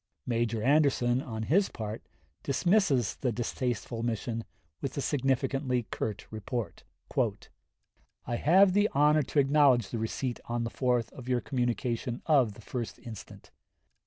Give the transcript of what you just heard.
Major Anderson on his part dismisses the distasteful mission with a significantly curt report: "I have the honor to acknowledge the receipt on the 4th of your communication of the 1st instant.